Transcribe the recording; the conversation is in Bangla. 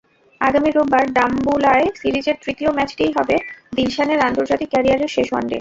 আগামী রোববার ডাম্বুলায় সিরিজের তৃতীয় ম্যাচটিই হবে দিলশানের আন্তর্জাতিক ক্যারিয়ারের শেষ ওয়ানডে।